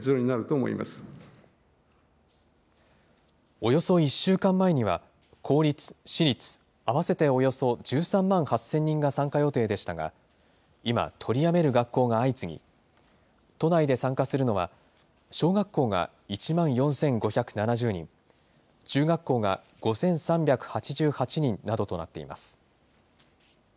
およそ１週間前には、公立・私立合わせておよそ１３万８０００人が参加予定でしたが、今、取りやめる学校が相次ぎ、都内で参加するのは、小学校が１万４５７０人、中学校が５３８８人などとなっています。